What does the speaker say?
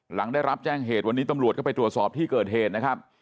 หลังได้รับแจ้งเหตุวันนี้ตำรวจก็ไปตรวจสอบที่เกิดเหตุนะครับ